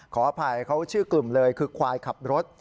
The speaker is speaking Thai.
ขออภัยเขาชื่อกลุ่มเลยคือควายขับรถ